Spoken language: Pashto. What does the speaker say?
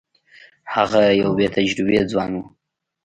هغه یو بې تجربې ځوان وو.